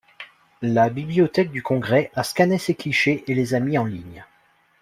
La bibliothèque du Congrès a scanné ces clichés et les a mis en ligne.